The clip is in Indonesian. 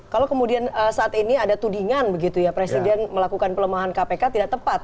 kalau kemudian saat ini ada tudingan begitu ya presiden melakukan pelemahan kpk tidak tepat